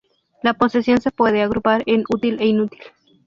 La posesión se puede agrupar en útil e inútil.